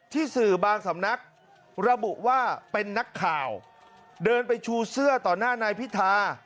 สื่อบางสำนักระบุว่าเป็นนักข่าวเดินไปชูเสื้อต่อหน้านายพิธา